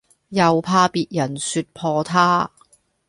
又怕別人説破他，